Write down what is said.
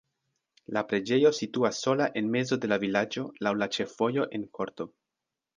La preĝejo situas sola en mezo de la vilaĝo laŭ la ĉefvojo en korto.